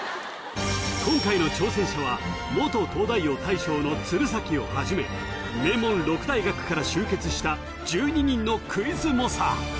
今回の挑戦者は元東大王大将の鶴崎をはじめ名門六大学から集結した１２人のクイズ猛者！